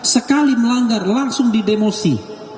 sekali melanggar langsung di demosi